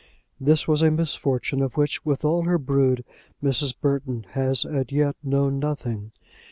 This was a misfortune of which, with all her brood, Mrs. Burton had as yet known nothing.